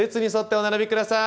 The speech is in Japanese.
お並びください。